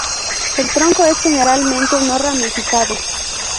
El tronco es generalmente no ramificado.